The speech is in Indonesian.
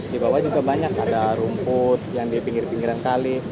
di bawah juga banyak ada rumput yang di pinggir pinggiran kali